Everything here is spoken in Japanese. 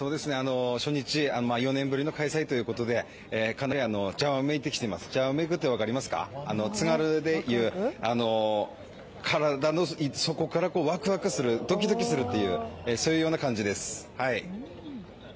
初日４年ぶりの開催ということでかなりじゃわめいてきていますじゃわめくとは津軽でいう体の底からワクワクする、ドキドキする、そういう感じです。